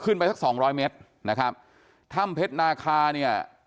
ไปสักสองร้อยเมตรนะครับถ้ำเพชรนาคาเนี่ย